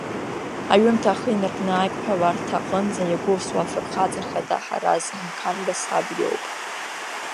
Аҩымҭа ахы инаркны аиқәҳәаларҭа аҟынӡа иагәылсуа афырхаҵа хада Ҳараз Мқанба саб иоуп.